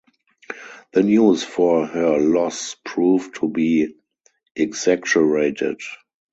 The news of her loss proved to be exaggerated.